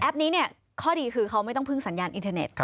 นี้เนี่ยข้อดีคือเขาไม่ต้องพึ่งสัญญาณอินเทอร์เน็ต